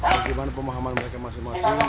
bagaimana pemahaman mereka masing masing